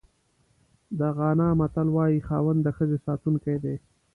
د غانا متل وایي خاوند د ښځې ساتونکی دی.